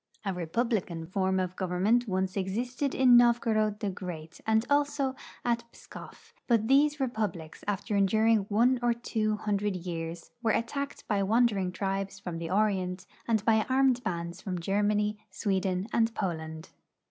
A republican form of government once e.xisted in Novgorod the Great, and also at Pskoff, but these republics, after enduring one or Uvo hundi*ed years, were attacked by wandering triljes from the Orient and by armed bands from Germany, Sweden and Poland.